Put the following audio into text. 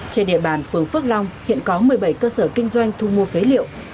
trên địa bàn phường phước long hiện có một mươi bảy cơ sở kinh doanh thu mua phế liệu